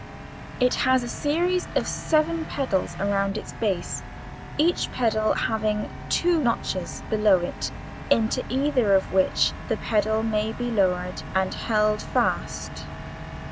It has a series of seven pedals around its base, each pedal having two notches below it, into either of which the pedal may be lowered and held fast.